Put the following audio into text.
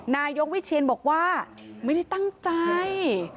นายกวิเชียนบอกว่าไม่ได้ตั้งใจ